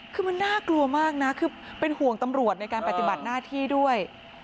คือมันน่ากลัวมากนะคือเป็นห่วงตำรวจในการปฏิบัติหน้าที่ด้วย